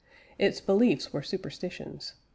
Its beliefs were superstitions.